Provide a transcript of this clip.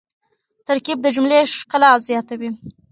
ترکیب د جملې ښکلا زیاتوي.